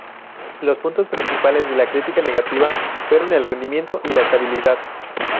Los puntos principales de la crítica negativa fueron el rendimiento y la estabilidad.